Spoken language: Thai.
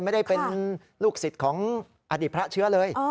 ไม่ได้เป็นลูกศิษย์ของอดีตพระเชื้อเลย